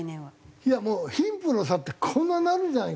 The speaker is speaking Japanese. いやもう貧富の差ってこんなになるんじゃないかな？